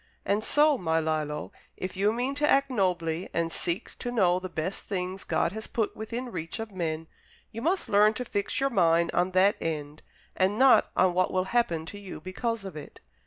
And so, my Lillo, if you mean to act nobly and seek to know the best things God has put within reach of men, you must learn to fix your mind on that end, and not on what will happen to you because of it.